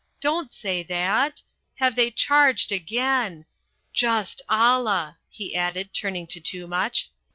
"Don't say that! Have they charged again! Just Allah!" he added, turning to Toomuch.